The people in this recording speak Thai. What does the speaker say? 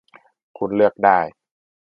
คุณเลือกได้